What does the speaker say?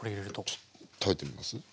ちょっと食べてみます？